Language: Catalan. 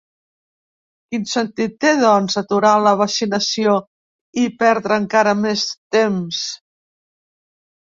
Quin sentit té, doncs, aturar la vaccinació i perdre encara més temps?